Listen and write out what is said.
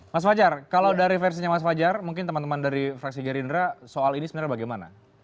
mas fajar kalau dari versinya mas fajar mungkin teman teman dari fraksi gerindra soal ini sebenarnya bagaimana